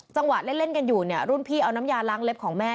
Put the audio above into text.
จังหวะเล่นกันอยู่เนี่ยรุ่นพี่เอาน้ำยาล้างเล็บของแม่